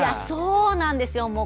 そうなんです。